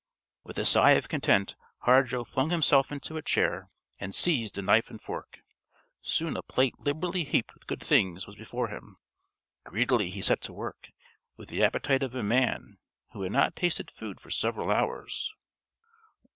_) With a sigh of content Hardrow flung himself into a chair, and seized a knife and fork. Soon a plate liberally heaped with good things was before him. Greedily he set to work, with the appetite of a man who had not tasted food for several hours....